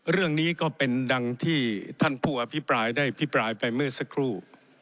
เรื่องนี้ก็เป็นดังที่ท่านผู้อภิปรายได้พิปรายไปเมื่อสักครู่